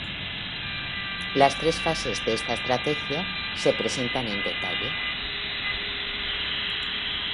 Las tres fases de esta estrategia se presentan en detalle.